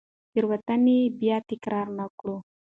تېروتنې بیا تکرار نه کړو.